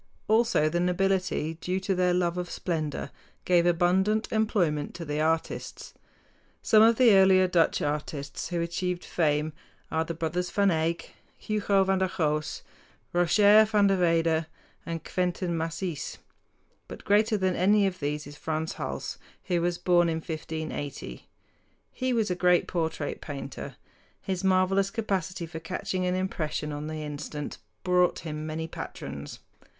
Also the nobility, due to their love of splendor, gave abundant employment to the artists. Some of the earlier Dutch artists who achieved fame are the brothers Van Eyck, Hugo van der Goes, Roger van der Weyden, and Quentin Massys. But greater than any of these is Frans Hals, who was born in 1580. He was a great portrait painter. His marvelous capacity for catching an impression on the instant brought him many patrons.